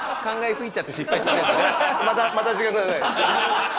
またまた時間ください。